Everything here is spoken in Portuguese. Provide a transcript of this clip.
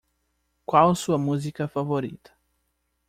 Qual sua música favorita?